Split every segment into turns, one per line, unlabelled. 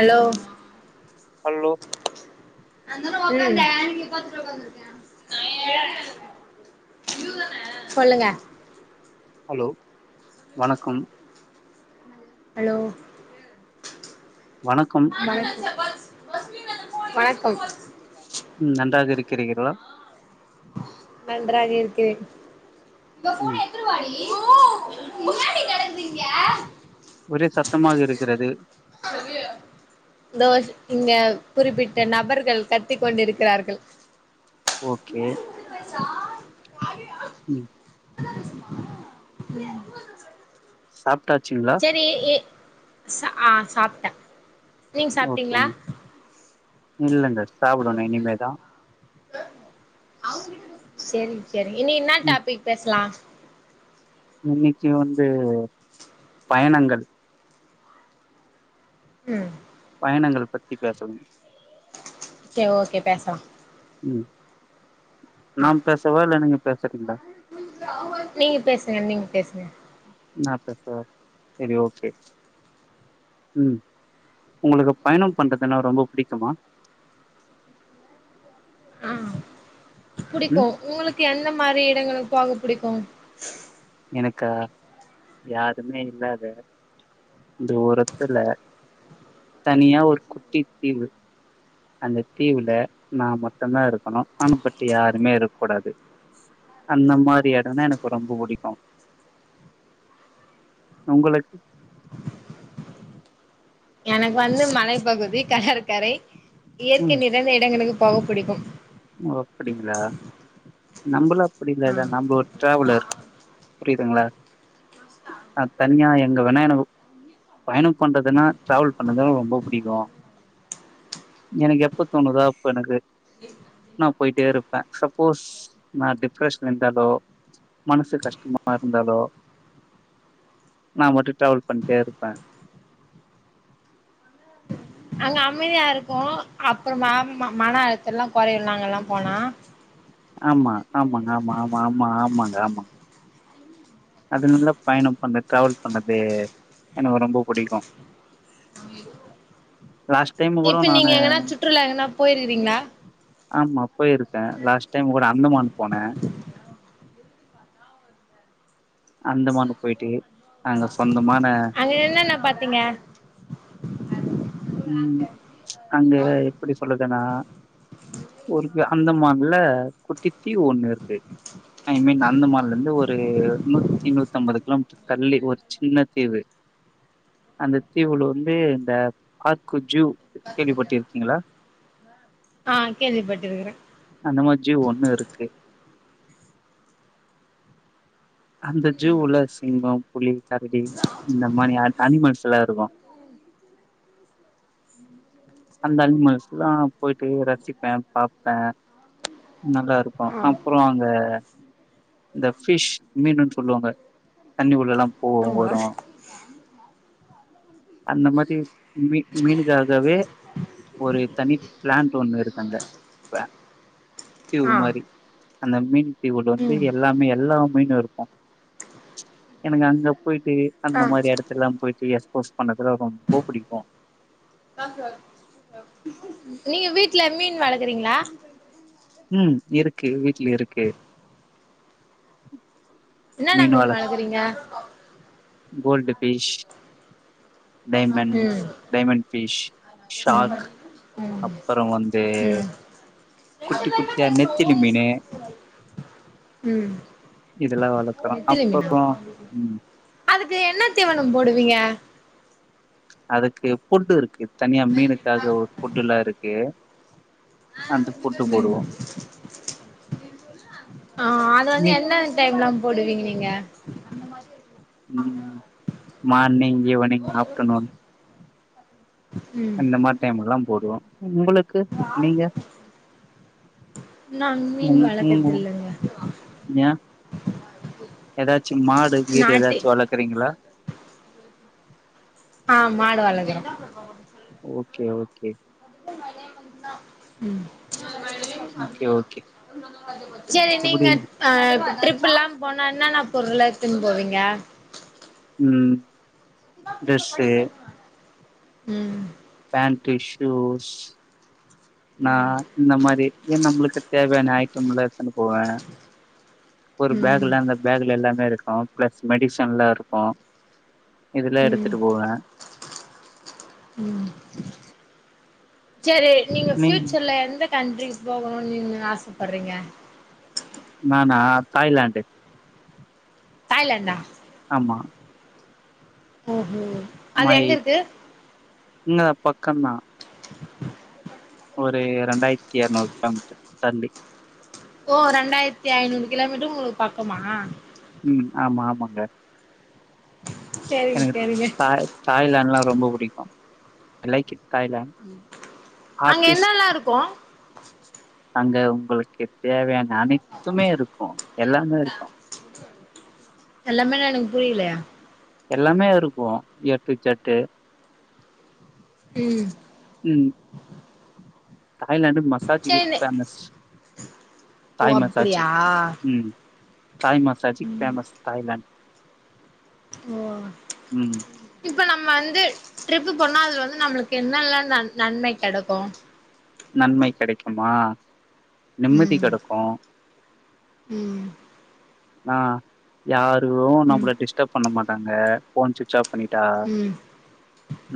hello ம்
hello
சொல்லுங்க
hello வணக்கம்
ஹலோ
வணக்கம்
வணக்கம் வணக்கம்
ம் நன்றாக இருக்குறீகளா
நன்றாக இருக்கிறேன்
ம்
[unintelligible]
ஒரே சத்தமாக இருக்கிறது
[unintelligible] இந்தோ ஸ் இங்க குறிப்பிட்ட நபர்கள் கத்தி கொண்டுருக்கிறார்கள்
ஓகே ம்
ம்
சாப்டாச்சுங்களா
சேரி எ சாப் ஆ சாப்ட்டே நீங்க சாப்ட்டீங்களா
ஓகேங்க இல்லங்க சாப்டணு இனிமே தா
சேரிங்க சேரிங்க இன்னைக்கி என்ன டாபிக் பேசலாம்
இன்னைக்கி வந்து பயணங்கள்
ம்
பயணங்கள் பத்தி பேசணு
ஓகே ஓகே பேசலா
ம் நா
ஆ
பேசவா இல்ல நீங்க பேசுறீங்களா
நீங்க பேசுங்க நீங்க பேசுங்க
நா பேசவா செரி ஓகே ம் உங்களுக்கு பயணம் பண்றதுனா ரொம்ப புடிக்குமா
ஆ புடிக்கு
ம்
உங்களுக்கு எந்த மாரி எடங்களுக்கு போக புடிக்கு
எனக்கா யாருமே இல்லாத தூரத்துல தனியா ஒரு குட்டி தீவு அந்த தீவுல நா மட்டுதா இருக்கணு அனா பட் யாருமே இருக்க கூடாது அந்த மாரி எடேன்னா எனக்கு ரொம்ப புடிக்கு உங்களுக்கு
எனக்கு வந்து மலைப்பகுதி கடற்கரை இயற்கை
ம்
நிறைந்த இடங்களுக்கு போக புடிக்கு
ஓ அப்டிங்களா நம்பளா
ஆ
அப்டில்லல நம்ப ஒரு ட்ராவலர் புரியுதுங்களா நா தனியா எங்க வேணா எனக்கு பயணோ பண்றதுன்னா டிராவல் பண்றதுன்னா ரொம்ப புடிக்கு எனக்கு எப்ப தோணுதோ அப்ப எனக்கு நா போயிட்டே இருப்பே சப்போஸ் நா டிப்ரஷன் இருந்தாலோ மனசு கஷ்டமா இருந்தாலோ நா மாட்டு ட்ராவல் பண்ணிட்டேருப்பே
அங்க அமைதியா இருக்கு அப்பறமா மன அழுத்தலா கொறையு நாங்கலா போனா
ஆமா ஆமாங்க ஆமா ஆமா ஆமா ஆமாங்க ஆமாங்க அதுனால பயணம் பண்றது டிராவல் பண்றது எனக்கு ரொம்ப புடிக்கு லாஸ்ட் டைமு கூட
இப்ப
நானு
நீங்க எங்கன்னா சுற்றுலா எங்கன்னா போயிருக்கிறீங்களா
ஆமா போயிருக்கே லாஸ்ட் டைம் கூட அந்தமான் போனே அந்தமானுக் போயிட்டு அங்க சொந்தமான
அங்க என்னென்ன பாத்தீங்க
ம் அங்க எப்டி சொல்றதுனா ஒரு கு அந்தமான்ல குட்டித் தீவு ஒன்னு இருக்கு ஐ மீன் அந்தமான்லந்து ஒரு நூத்தி நூத்தம்பது கிலோமீட்ரு தள்ளி ஒரு சின்ன தீவு அந்த தீவுல வந்து இந்த பார்க்கு ஜூ கேள்விப்பட்டிருக்கீங்களா
ஆ கேள்விப்பட்டு இருக்குறே
அந்த மாரி ஜூ ஒன்னு இருக்கு அந்த ஜூவுல சிங்கோ புலி கரடி இந்த மாரி அனி அனிமல்ஸ்லா இருக்கு அந்த அனிமல்ஸ்லா போயிட்டு ரசிப்பே பாப்பே நல்லாருக்கு
ஆ
அப்றோ அங்க இந்த ஃபிஷ் மீனுன் சொல்லுவாங்க தண்ணிக்குள்ளலா போவு
ஆமா
வரு அந்த மாரி மீ மீனுக்காகவே ஒரு தனி பிளான்ட் ஒன்னு இருக்கு அங்க ப தீவு
ஆ
மாரி அந்த மீன் தீவுல வந்து
ம்
மீன் எல்லாமே எல்லா மீனு இருக்கு எனக்கு அங்க போயிட்டு அந்த
ஆ
மாரி எடத்துலா போயிட்டு எஸ்போஸ் பண்ண கூட ரொம்ப புடிக்கு
நீங்க வீட்ல மீன் வளக்குறீங்ளா
ம் இருக்கு வீட்லியு இருக்கு
இன்னானா மீன் வளக்குறீங்க
கோல்டு ஃபிஷ் டைமண்ட்ஸ்
ம்
டைமண்ட் ஃபிஷ் ஷார்க்
ம் ம்
அப்பறோ வந்
ம்
குட்டி குட்டியா நெத்திலி மீனு
ம்
இதுலா வளக்குறோ
நெத்திலி மீனா
அப்பறோ ம்
அதுக்கு என்ன தீவனோ போடுவிங்க
அதுக்கு ஃபுட்டு இருக்கு தனியா மீனுக்காக ஒரு ஃபுட்டுல்லா இருக்கு அந்த ஃபுட்டு போடுவோ
ஆ அது வந்து
நீ
என்னன் டைம்லா போடுவிங்க நீங்க
ம் மார்னிங் ஈவ்னிங் ஆஃப்டர்நூன்
ம்
அந்த மாரி டைம்லலா போடுவோ உங்குளுக்கு நீங்க
நான் மீன் வளக்கர்து இல்லங்க
யா எதாச்சு மாடு கீடு
நாட்டு
எதாச்சு வளக்குறீங்ளா
ஆ மாடு வளக்குறோ
ஓகே ஓகே
ம்
ஓகே ஓகே
சேரி
எப்டி
நீங்க ஆ ட்ரிப்புல்லா போனா இன்னன்னா பொருள்லா எத்துன் போவீங்க
ம் டிரஸ்ஸு
ம்
ஃபேன்ட்டு ஷூஸ் நா
ம்
இந்த மாரி ஏன் நம்மளுக்கு தேவையான ஐட்டம்ல எத்ன்னு போவ ஒரு
ம்
பேக்ல அந்த பேக்ல எல்லாமே இருக்கும் பிளஸ் மெடிசன்ல்லா இருக்கும் இதெல்லா
ம்
எடுத்துட்டு போவ
ம் சரி நீங்க
நீங்
ஃபியூச்சர்ல எந்த கண்ட்ரிக்கு போகணும்னு நீ ஆசப்பட்றீங்க
நானா தாய்லேண்டு
தாய்லண்டா
ஆமா
ஓஹோ அது
மை
எங்க இருக்கு
இங்க தா பக்கதா ஒரு ரண்டாயிரத்தி இரநூறு கிலோ மீட்டர் தள்ளி
ஓ ரெண்டாயிரத்தி ஐநூறு கிலோமீட்டர் உங்களுக்கு பக்கமா
ம் ஆமா ஆமாங்க
செரிங்க
எனக்கு
செரிங்க
தாய் தாய்லான்ட்லா ரொம்ப புடிக்கும் ஐ லைக்கிட் தாய்லான்ட்
ம்
ஆஃபீஸ் அங்க உங்களுக்கு தேவையான அனைத் த்துமே இருக்கு எல்லாமே இருக்கு
எல்லாமேன்னா எனக்கு புரில
எல்லாமே இருக்கு ஏட்டூ ஜட்டு
ம்
ம் தாய்லாண்ட் மசாஜிக்கு
செரி
ஃபேமஸ்
ஓ
தாய் மசாஜ்
அப்டியா
ம் தாய் மசாஜ்க்கு ஃபேமஸ் தாய்லேண்ட்
ஓ
ம்
இப்ப நம்ம வந்து ட்ரிப்பு போனா அதுல வந்து நம்ளுக்கு என்னல்லா நன்ம கெடைக்கு
நன்மை கெடைக்குமா நிம்மதி
ம்
கடக்கும்
ம்
ஆ யாரு நம்மள
ம்
டிஸ்டர்ப் பண்ண மாட்டாங்க போன் சுவிட்ச் ஆப் பண்ணிட்டா
ம்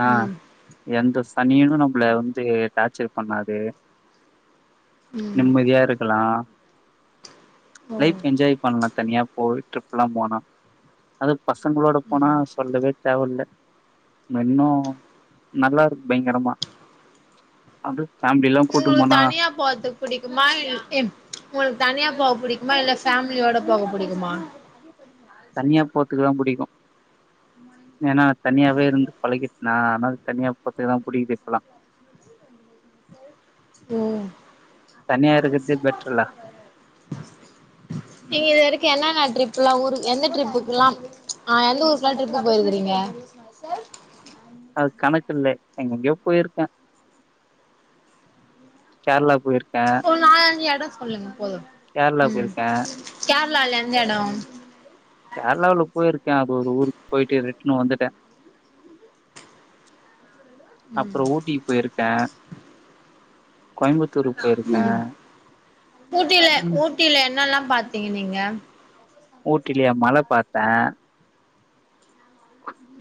ஆ
ம்
எந்த சனியனு நம்மள வந்து டாச்சர் பண்ணாது
ம்
நிம்மதியா இருக்கலா
ஓ
லைஃப் என்ஜாய் பண்ணலா தனியா போய் ட்ரிப் எல்லா போனா அது பசங்களோட போனா
ம்
சொல்லவே தேவையில்ல இன்னு நல்லா இருக்கு பயங்கரமா அது ஃபேமிலி எல்லா
உங்களுக்கு தனியா போரத் புடிக்குமா இல் உங்களுக்கு தனியா போக புடிக்குமா இல்ல ஃபேமிலியோட போக பிடிக்குமா
தனியா போறதுக்கு புடிக்கும் ஏன்னா தனியாவே இருந்து பழகிட்டுனா அதுனால தனியா போறத்துக்கு தா புடிக்குது இப்பல்லா
ம்
தனியா இருக்கற்தே பெட்ருல்ல
நீங்க இது வரைக்கும் என்னன்ன ட்ரிப்புல்லா ஊருக் எந்த ட்ரிப்புக்குல்லாம் ஆ எந்த ஊருக்குலா ட்ரிப்புக் போயிருக்கிறீங்க
அது கணக்கு இல்ல எங்கெங்கயோ போயிருக்கோ கேர்ளாக் போயிருக்
ஆ அந்த எடம் சொல்லுங்க போதும்
கேரளா
ம்
போயிருக்கேன்
கேர்ளால எந்த எடம்
கேர்ளாவ்ல போயிருக்கே அது ஒரு ஊருக் போயிட்டு ரிட்ன்னு வந்துட்ட
ம்
அப்றோ ஊட்டிக் போய்ருக்க கோயம்புத்தூருக் போயிருக்க
ம் ஊட்டில ஊட்டில என்னல்லா பாத்தீங்க நீங்க
ஊட்டிலியா மல பாத்த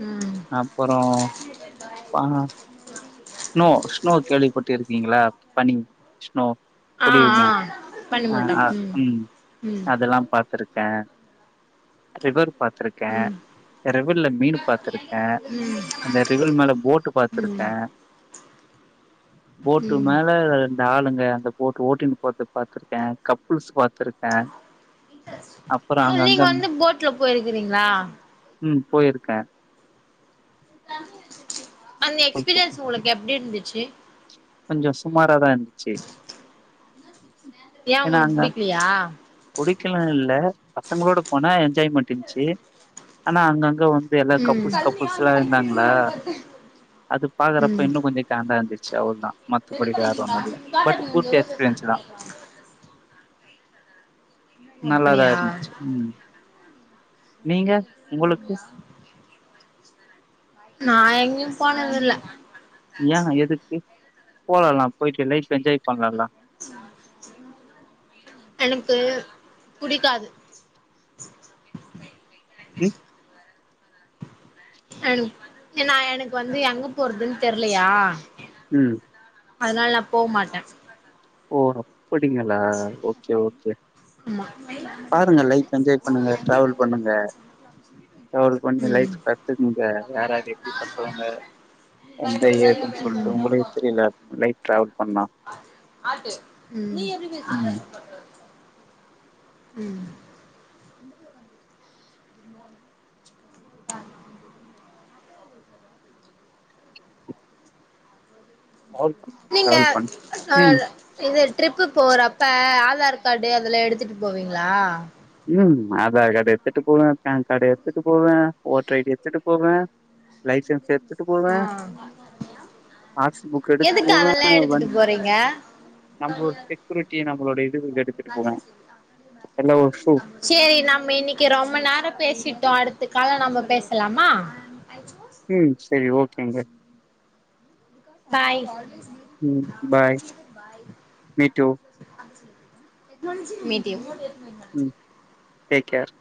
ம்
அப்புறோ பாம்மா ஸ்னோ ஸ்னோ கேள்விப்பட்டு இருக்கீங்களா பனி ஸ்னோ
ஆ
பொலியுமே
ஆ
அ ஆ ம்
ம்
அதெல்லா பாத் திருக்க ரிவர் பாத் ருக்க
ம்
அ ரிவில்ல மீன்னு பாத்திருக்க
ம்
அந்த ரிவில் மேல போட்டு பாத்திருக்
ம்
ஏன் போட்டு
ம்
மேல இந்த ஆளுங்க அந்த போட் ஓட்டின் போற்த பாத்திருக்க கப்புள்ஸ் பாத்திருக்க
ப்ரோ நீங்க வந்து போட்ல போயிருக்கிறீங்ளா
ம் போயிருக்க
அந்த எக்ஸ்பீரியன்ஸ் உங்களுக் எப்டி இருந்துச்சு
கொஞ்சோ சுமாராதா இருந்துச்சு
ஏன் உங்களுக் புடிக்லியா
புடிக்கலா இல்ல பசங்களோட போனா என்ஜாய்மெண்ட் இருந்ச்சு ஆனா அங்கங்க வந் எல்லா கப்புள்ஸ் கப்புள்ஸ்ல்லா இருந்தாங்ளா அது பாக்கறப்ப
ம்
இன்னு கொஞ்சோ காண்டா இருந்துச்சு அவ்ள்தா மத்த படி வேற ஒன்னு இல்ல பட்டு குட் எக்ஸ்பீரியன்ஸ் தா நல்லாதா
அப்படியா
இருந்துச்சு ம் நீங்க உங்களுக்கு
நா எங்கயு போனதில்ல
ஏன் எதுக்கு போலால போயிட்டு லைஃப் என்ஜாய் பண்லால
எனக்கு தெர்யாத் புடிக்காது
ம்
என் என்னா எனக்கு வந்து எங்க போற்துன் தெர்லயா
ம்
அதனால் நா போவ் மாட்ட
ஓ அப்படிங்களா ஓகே ஓகே
ஆமா
பாருங்க லைஃப் என்ஜாய் பண்ணுங்க டிராவல் பண்ணுங்க ட்ராவல் பண்ணி
ம் ம்
லைஃப்ஸ் கத்துக்குங்க யார் யாரு எப்டி பட்டவங்க எந்த ஏதுன் சொல்ட்டு
ம்
உங்களுக்கு தெரியுல நைட் டிராவல் பண்ணா
ம்
ம்
ம் அ
அவரு
நீங்க ஆ இது ட்ரிப்பு போறப்ப ஆதார் கார்டு அதெல்லா எடுத்துட்டு போவீங்ளா
ம் ஆதார் கார்டு எடுத்துட்டு போவே பான் கார்டு எடுத்துட்டு போவே ஓட்டர் ஐ டி எடுத்துட்டு போவே லைசன்ஸ் எ எத்துட்டு போவே
ஆ
ஆர் சி புக் எடுத்துட்டு
எதுக்கு
போவே
அதெல்லா எடுத்துட்டு போறீங்க
நம்மளோட செக்யூரிட்டி நம்மளோட இதுக்கு எடுத்துட்டு போவே எல்லோஸ்
சேரி நம்ம இன்னிக்கி ரொம்ப நேரோ பேசிட்டோ அடுத்த கால்ல நம்ம பேசலாமா
ம் சேரி ஓகேங்க
பாய்
ம் bye meet to
meet you
ம் டேக் கேர்